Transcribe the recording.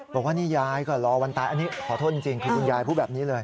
บอกว่านี่ยายก็รอวันตายอันนี้ขอโทษจริงคือคุณยายพูดแบบนี้เลย